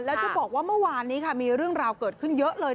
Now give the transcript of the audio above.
แล้วจะบอกว่าเมื่อวานนี้ค่ะมีเรื่องราวเกิดขึ้นเยอะเลย